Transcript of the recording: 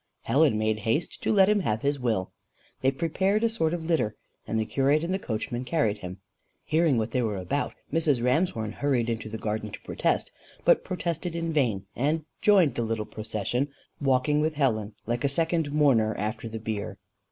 Helen made haste to let him have his will. They prepared a sort of litter, and the curate and the coachman carried him. Hearing what they were about, Mrs. Ramshorn hurried into the garden to protest, but protested in vain, and joined the little procession, walking with Helen, like a second mourner, after the bier.